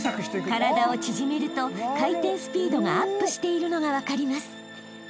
［体を縮めると回転スピードがアップしているのが分かります］